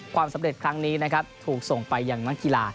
ความสำเร็จครั้งนี้นะครับถูกส่งไปอย่างนักกีฬา